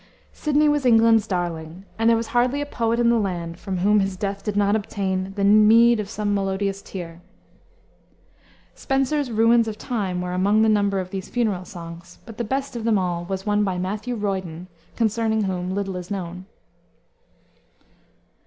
Sidney was England's darling, and there was hardly a poet in the land from whom his death did not obtain "the meed of some melodious tear." Spenser's Ruins of Time were among the number of these funeral songs; but the best of them all was by one Matthew Royden, concerning whom little is known.